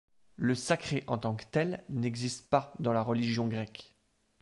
Le sacré en tant que tel n'existe pas dans la religion grecque.